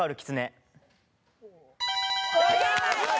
正解です。